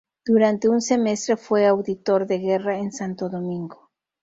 Durante un semestre fue auditor de guerra en Santo Domingo.